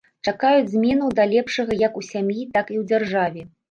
Чакаюць зменаў да лепшага як у сям'і, так і ў дзяржаве.